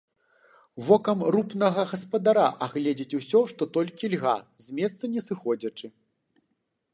Вокам рупнага гаспадара агледзіць усё, што толькі льга, з месца не сыходзячы.